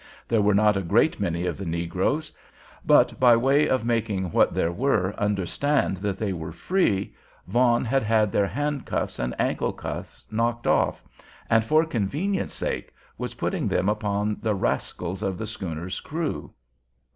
There were not a great many of the negroes; but by way of making what there were understand that they were free, Vaughan had had their handcuffs and ankle cuffs knocked off, and, for convenience' sake, was putting them upon the rascals of the schooner's crew.